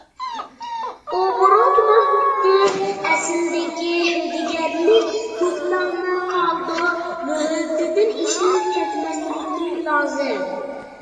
ئوبوروت مۆھلىتى ئەسلىدىكى ھۆددىگەرلىك توختامىنىڭ قالدۇق مۆھلىتىدىن ئېشىپ كەتمەسلىكى لازىم.